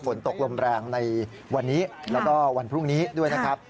ฝนตกลมแรงในวันนี้แล้วก็วันพรุ่งนี้ด้วยนะครับ